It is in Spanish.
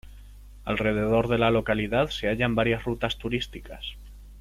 Alrededor de la localidad se hallan varias rutas turísticas.